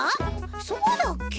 そうだっけ？